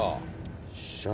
よっしゃ！